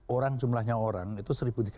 orang jumlahnya orang itu satu tiga ratus